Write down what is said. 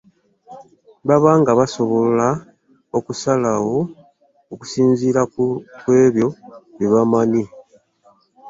Baba nga basobola okusalawo okusinziira ku ebyo bye bamanyi.